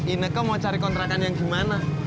ineko mau cari kontrakan yang gimana